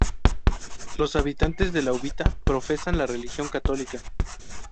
Los habitantes de La Uvita profesan la religión católica.